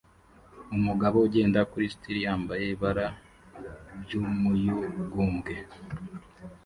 Umugabo ugenda kuri stil yambaye ibara ry'umuyugubwe